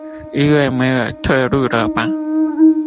因為沒有退路了吧